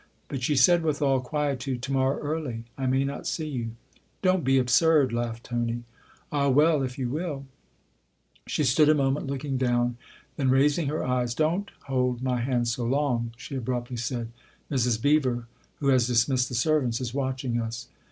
But she said with all quietude: ''To morrow early. I may not see you." " Don't be absurd !" laughed Tony. " Ah, well if you will !" She stood a moment looking down ; then raising her eyes, " Don't hold my hand so long," she abruptly said. " Mrs. Beever, who has dismissed the servants, is watching us."